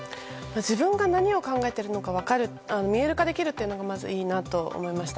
自分が何を考えてるのか見える化できるというのはまずいいなと思いました。